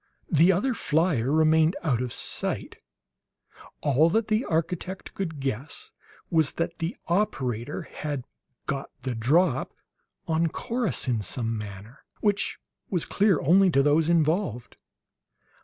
The other flier remained out of sight. All that the architect could guess was that the operator had "got the drop" on Corrus in some manner which was clear only to those involved.